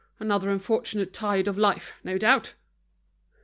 Another unfortunate tired of life, no doubt."